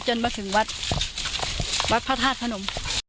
ก็จนมาถึงวัดวัดพระธาตุพระนม